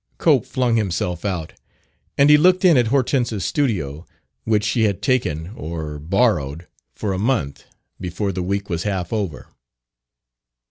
Cope flung himself out; and he looked in at Hortense's studio which she had taken (or borrowed) for a month before the week was half over.